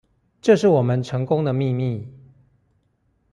這是我們成功的秘密